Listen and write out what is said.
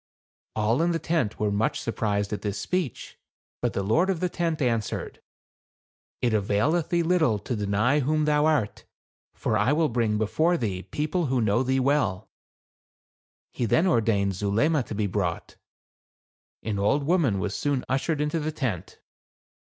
All in the tent were much sur prised at this speech. But the lord of the tent answered, "It availeth thee little to deny who thou art; for I will bring before thee people who know thee well." He then ordered Zuleima to be brought. An old woman was soon ushered into the tent.